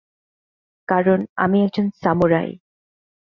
কারণ আমি একজন সামুরাই।